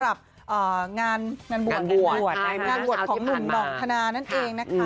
กับงานบวชนุ่มหน่อทนานั่นเองนะคะ